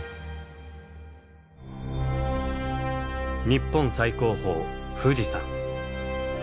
日本最高峰富士山。